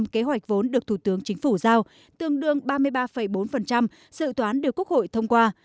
kế hoạch vốn được thủ tướng chính phủ giao tương đương ba mươi ba bốn sự toán được quốc hội thông qua